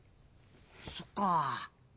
そっか。